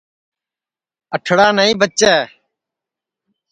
اٹھڑا نائی بچے